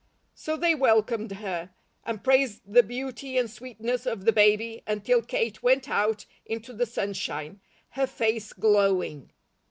So they welcomed her, and praised the beauty and sweetness of the baby until Kate went out into the sunshine, her face glowing.